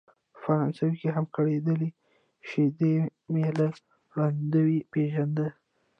په فرانسوي هم ګړیدلای شي، دی مې له وړاندې پېژانده.